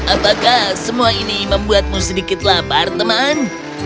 apakah semua ini membuatmu sedikit lapar teman